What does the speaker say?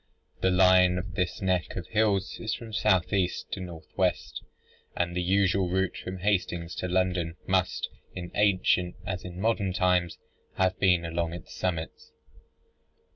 The line of this neck of hills is from south east to north west, and the usual route from Hastings to London must, in ancient as in modern times, have been along its summits.